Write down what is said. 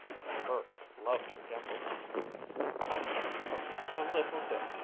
(And Burke loved her dimples!) "I can't cook a little bit.